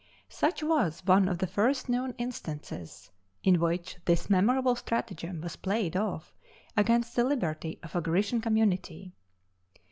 Such was one of the first known instances in which this memorable stratagem was played off against the liberty of a Grecian community.